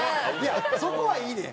そこはいいねん。